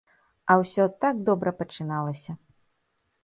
А ўсё так добра пачыналася.